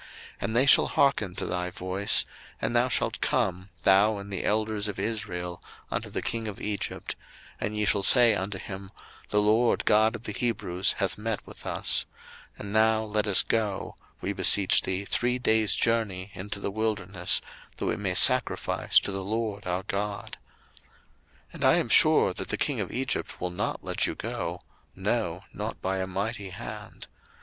02:003:018 And they shall hearken to thy voice: and thou shalt come, thou and the elders of Israel, unto the king of Egypt, and ye shall say unto him, The LORD God of the Hebrews hath met with us: and now let us go, we beseech thee, three days' journey into the wilderness, that we may sacrifice to the LORD our God. 02:003:019 And I am sure that the king of Egypt will not let you go, no, not by a mighty hand.